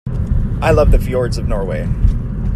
I love the fjords of Norway.